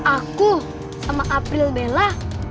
aku sama april bella